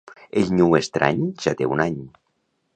El nyu estrany ja té un any.